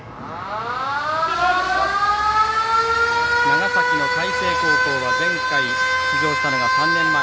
長崎の海星高校は前回出場したのが３年前。